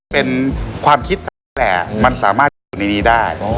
เป็นความคิดแหละอืมมันสามารถอยู่ในนี้ได้อ๋อ